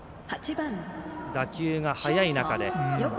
打球が速い中で。